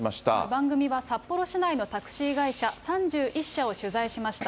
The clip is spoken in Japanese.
番組は札幌市内のタクシー会社３１社を取材しました。